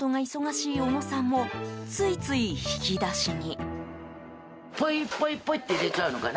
お仕事が忙しい小野さんもついつい引き出しに。